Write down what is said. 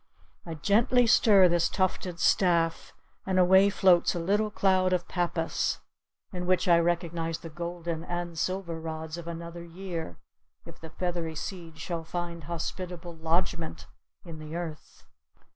I gently stir this tufted staff, and away floats a little cloud of pappus, in which I recognize the golden and silver rods of another year, if the feathery seeds shall find hospitable lodgment in the earth.